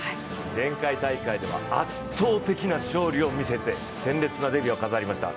前回大会では圧倒的な勝利を見せて鮮烈なデビューを飾りました。